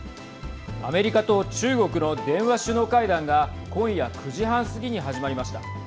アメリカと中国の電話首脳会談が今夜９時半過ぎに始まりました。